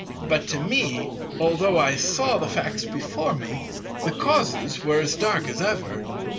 But to me, although I saw the facts before me, the causes were as dark as ever.